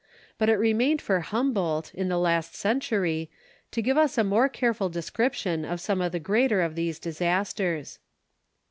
But it remained for Humboldt, in the last century, to give us a more careful description of some of the greater of these disasters.